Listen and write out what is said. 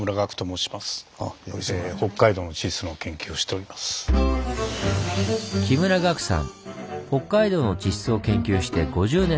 北海道の地質を研究して５０年の専門家。